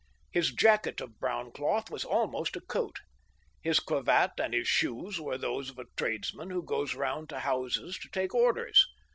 His jacket of brown cloth was almost a coat. His cravat and his shoes were those of a tradesman who goes round to houses to take orders.